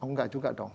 oh enggak juga dong